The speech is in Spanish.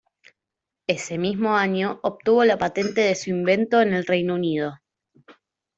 Ese mismo año obtuvo la patente de su invento en el Reino Unido.